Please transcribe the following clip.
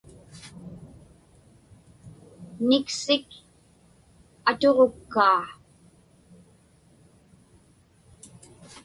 Niksik atuġukkaa.